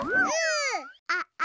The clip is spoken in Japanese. あっあ。